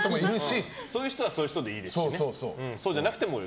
そういう人はそういう人でいいし。